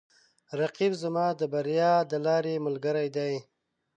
رقیب زما د بریا د لارې ملګری دی